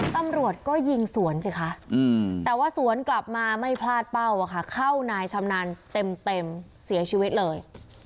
ตำรวจก็ยิงสวนสิคะแต่ว่าสวนกลับมาไม่พลาดเป้าอะค่ะเข้านายชำนาญเต็มเสียชีวิตเลย